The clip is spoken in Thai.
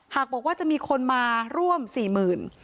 หากบอกว่าจะมีคนมาร่วมสี่หมื่น